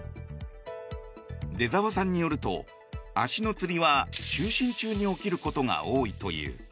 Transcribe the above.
出沢さんによると足のつりは就寝中に起きることが多いという。